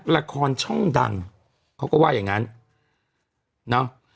ละครช่องดังเขาก็ว่าอย่างงั้นเนาะ